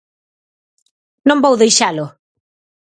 ¡Non vou deixalo!